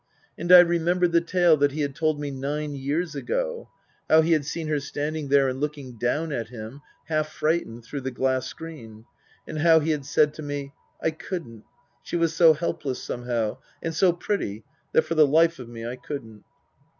And I remembered the tale that he had told me nine years ago, how he had seen her stand ing there and looking down at him half frightened through the glass screen, and how he had said to me, " I couldn't. She was so helpless somehow and so pretty that for the life of me I couldn't."